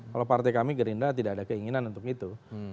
kalau partai kami gerindra tidak ada keinginan untuk itu